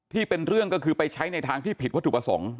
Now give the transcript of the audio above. เป็นเรื่องก็คือไปใช้ในทางที่ผิดวัตถุประสงค์